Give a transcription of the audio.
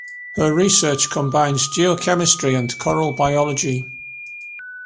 Her research combines geochemistry and coral biology.